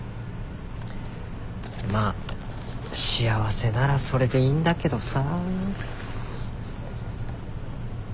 まあ幸せならそれでいいんだけどさ。